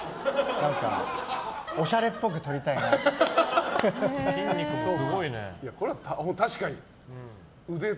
何かおしゃれっぽく撮りたいなと。